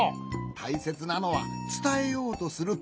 たいせつなのはつたえようとするきもち。